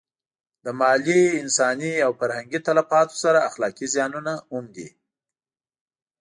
له مالي، انساني او فرهنګي تلفاتو سره اخلاقي زیانونه هم دي.